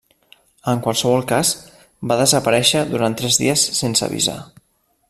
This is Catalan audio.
En qualsevol cas, va desaparèixer durant tres dies sense avisar.